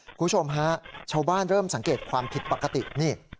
คุณผู้ชมฮะชาวบ้านเริ่มสังเกตความผิดปกตินี่